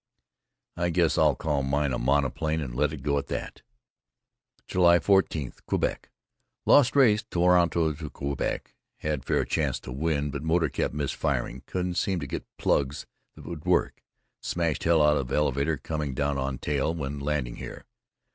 I guess I'll call mine a monoplane and let it go at that. July 14: Quebec. Lost race Toronto to Quebec. Had fair chance to win but motor kept misfiring, couldn't seem to get plugs that would work, and smashed hell out of elevator coming down on tail when landing here.